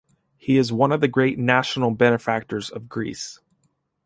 He is one of the great national benefactors of Greece.